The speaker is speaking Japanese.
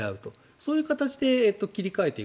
そういう形で切り替えていく。